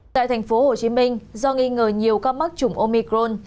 tại thành phố hồ chí minh do nghi ngờ nhiều ca mắc chủng omicron